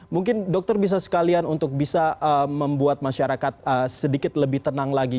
mungkin dokter bisa sekalian untuk bisa membuat masyarakat sedikit lebih tenang lagi